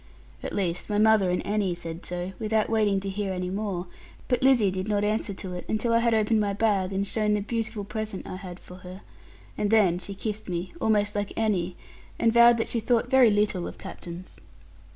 At least, my mother and Annie said so, without waiting to hear any more; but Lizzie did not answer to it, until I had opened my bag and shown the beautiful present I had for her. And then she kissed me, almost like Annie, and vowed that she thought very little of captains.